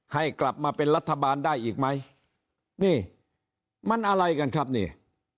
ให้กลับมาเป็นรัฐบาลได้อีกไหมนี่มันอะไรกันครับนี่